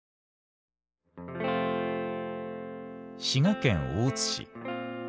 滋賀県大津市。